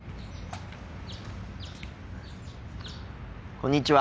こんにちは。